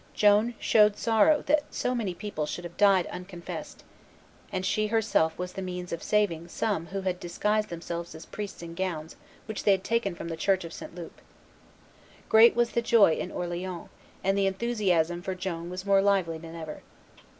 Joan showed sorrow that so many people should have died unconfessed; and she herself was the means of saving some who had disguised themselves as priests in gowns which they had taken from the church of St. Loup. Great was the joy in Orleans, and the enthusiasm for Joan was more lively than ever.